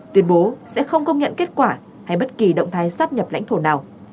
tuyên bố sẽ không công nhận kết quả hay bất kỳ động thái sắp nhập lãnh thổ nào